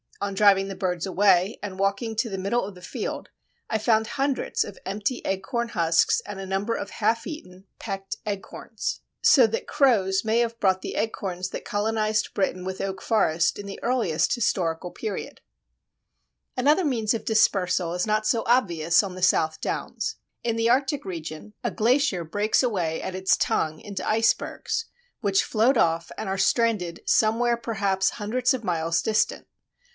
On driving the birds away, and walking to the middle of the field I found hundreds of empty acorn husks and a number of half eaten, pecked acorns." So that crows may have brought the acorns that colonized Britain with oak forest in the earliest historical period. Reid, Origin of the British Flora. Another means of dispersal is not so obvious on the South Downs. In the Arctic region a glacier breaks away at its tongue into icebergs, which float off and are stranded somewhere perhaps hundreds of miles distant.